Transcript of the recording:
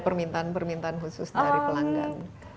permintaan permintaan khusus dari pelanggan